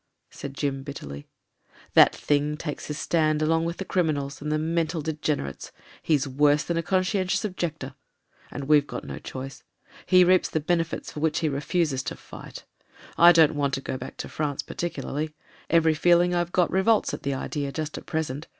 said Jim bitterly. That thing takes his stand along with the criminals, and the mental degenerates. He's worse than a con scientious objector. And we've got no choice. He reaps the benefits for which he refuses to fight. I don't want to go back to France particularly ; every feeling I've got revolts at the idea just at present.